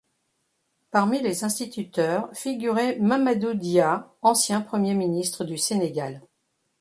Parmi les instituteurs figurait Mamadou Dia, ancien Premier Ministre du Sénégal.